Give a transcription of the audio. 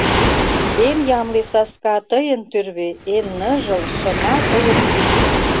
Эн ямле саска — тыйын тӱрвӧ, эн ныжыл, шыма тыйын кид.